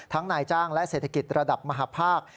นายจ้างและเศรษฐกิจระดับมหาภาค